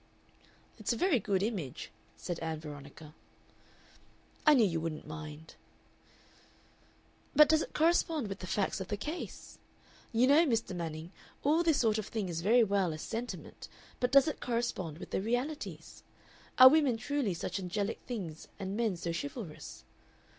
"It's a very good image," said Ann Veronica. "I knew you wouldn't mind." "But does it correspond with the facts of the case? You know, Mr. Manning, all this sort of thing is very well as sentiment, but does it correspond with the realities? Are women truly such angelic things and men so chivalrous?